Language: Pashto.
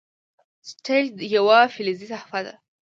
سټیج یوه فلزي صفحه ده.